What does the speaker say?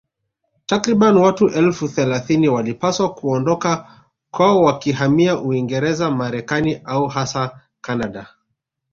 Takriban watu elfu themanini walipaswa kuondoka kwao wakihamia Uingerez Marekani au hasa Kanada